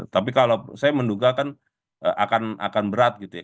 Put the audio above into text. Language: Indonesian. tapi kalau saya menduga kan akan berat gitu ya